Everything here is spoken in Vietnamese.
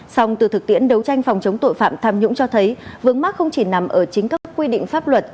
xong từ thực tiễn đấu tranh phòng chống tội phạm tham nhũng cho thấy vướng mắt không chỉ nằm ở chính các quy định pháp luật